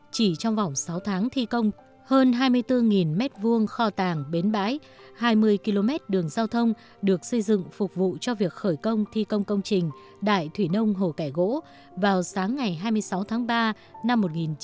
chỉ trong vòng sáu tháng thi công hơn hai mươi bốn m hai kho tàng bến bãi hai mươi km đường giao thông được xây dựng phục vụ cho việc khởi công thi công công trình đại thủy nông hồ kẻ gỗ vào sáng ngày hai mươi sáu tháng ba năm một nghìn chín trăm bảy mươi